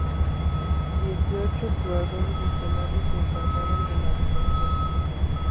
Dieciocho jurados regionales se encargaron de la votación.